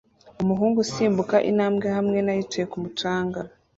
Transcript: Umuhungu usimbuka intambwe hamwe na yicaye kumu canga